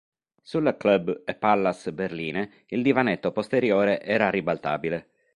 Sulle Club e Pallas berline il divanetto posteriore era ribaltabile.